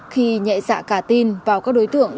khi nhẹ dạ cả tin vào các đối tượng